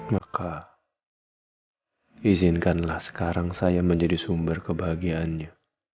maka izinkanlah sekarang saya menjadi sumber kebahagiaannya